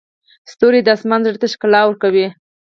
ستوري د اسمان زړه ته ښکلا ورکوي.